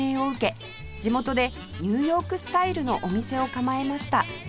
地元でニューヨークスタイルのお店を構えました